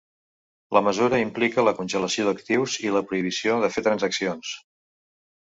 La mesura implica la congelació d’actius i la prohibició de fer transaccions.